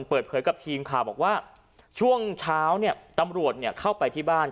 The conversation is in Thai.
เปิดเผยกับทีมข่าวบอกว่าช่วงเช้าเนี่ยตำรวจเข้าไปที่บ้าน